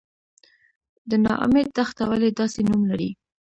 د نا امید دښته ولې داسې نوم لري؟